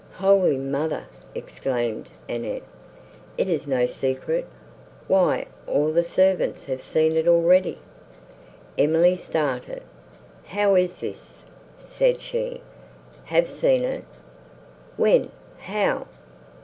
"Holy Mother!" exclaimed Annette, "it is no secret; why all the servants have seen it already!" Emily started. "How is this?" said she—"Have seen it! When?—how?"